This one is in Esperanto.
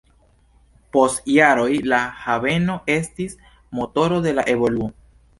Post jaroj la haveno estis motoro de la evoluo.